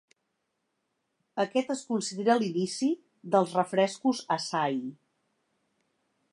Aquest es considera l"inici dels refrescos Asahi.